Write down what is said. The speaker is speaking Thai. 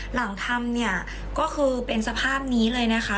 หลังทำเนี่ยก็คือเป็นสภาพนี้เลยนะคะ